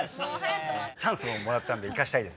チャンスをもらったんで生かしたい。